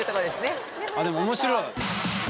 でも面白い。